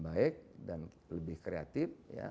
baik dan lebih kreatif